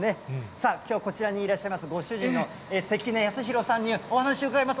さあ、きょうはこちらにいらっしゃいますご主人の関根康弘さんにお話伺います。